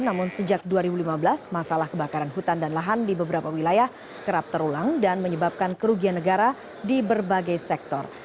namun sejak dua ribu lima belas masalah kebakaran hutan dan lahan di beberapa wilayah kerap terulang dan menyebabkan kerugian negara di berbagai sektor